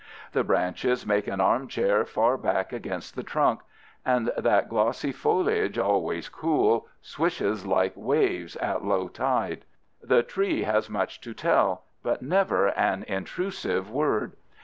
The branches make an armchair far back against the trunk, and that glossy foliage, always cool, swishes like waves at low tide. The tree has much to tell, but never an intrusive word.